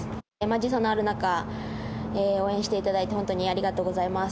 時差のある中応援していただいて本当にありがとうございます。